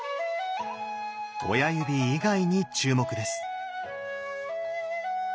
親指以外に注目です。